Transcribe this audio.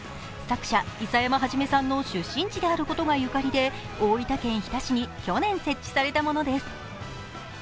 作者・諫山創さんの出身地であることがゆかりで大分県日田市に去年、設置されたものです。